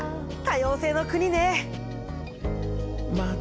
多様性の国ね。